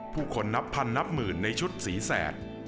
ผู้คนนับพันนับหมื่นในชุดสีแสด